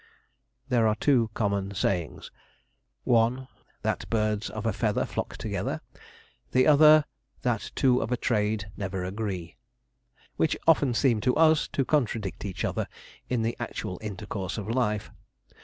There are two common sayings; one, 'that birds of a feather flock together'; the other, 'that two of a trade never agree'; which often seem to us to contradict each other in the actual intercourse of life.